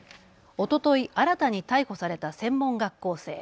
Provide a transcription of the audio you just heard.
おととい新たに逮捕された専門学校生。